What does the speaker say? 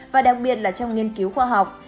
và đặc biệt là trong nghiên cứu khoa học